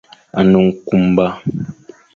A ne nkunba.